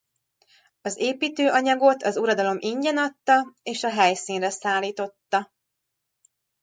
Az építőanyagot az uradalom ingyen adta és a helyszínre szállította.